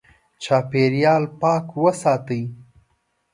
چاپېریال پاک وساتئ.